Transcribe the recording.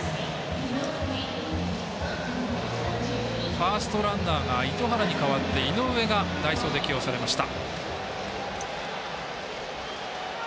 ファーストランナーが糸原に代わって井上が、代走で起用されました。